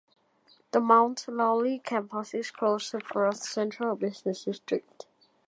The Mount Lawley Campus is close to Perth's central business district.